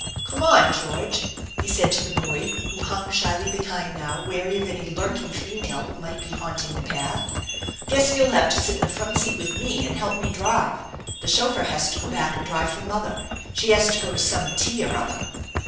Come on, George/* he said to the boy, who hung shyly behind now, wary of any lurking female who might be haunting the path. " Guess you'll have to sit in the front seat with me, and help me drive. The chauffeur has to go back and drive for mother. She has to go to some tea or other."